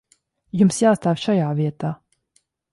Jums jāstāv šajā vietā.